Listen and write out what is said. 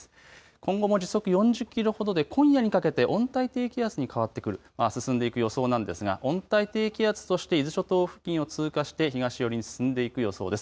今後も時速４０キロほどで今夜にかけて温帯低気圧に変わってくる、進んでいく予想なんですが温帯低気圧として伊豆諸島付近を通過して東寄りに進んでいく予想です。